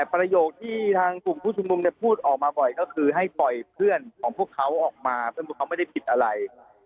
ประโยคที่ทางกลุ่มผู้ชุมนุมพูดออกมาบ่อยก็คือให้ปล่อยเพื่อนของพวกเขาออกมาซึ่งพวกเขาไม่ได้ผิดอะไร